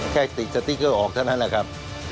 แค่ติดสติ๊กเกอร์ออกเท่านั้นแหละครับ